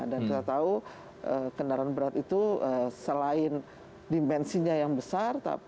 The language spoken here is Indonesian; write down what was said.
dan kita tahu kendaraan berat itu selain dimensinya yang besar